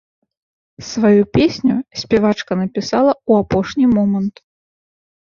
Сваю песню спявачка напісала ў апошні момант.